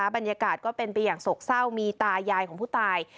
บรรยากาศก็เป็นไปอย่างโศกเศร้ามีตายายของผู้ตาย